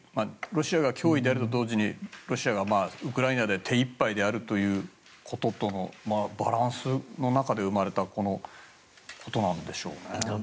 ロシアが脅威であると同時にロシアがウクライナで手いっぱいであるということとのバランスの中で生まれたこのことなんでしょうね。